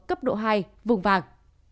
cấp độ hai vùng vàng